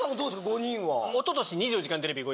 ５人は。